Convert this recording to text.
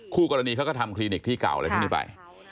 คู่กรณีเขาก็ทำคลินิกที่เก่าอะไรพวกนี้ไป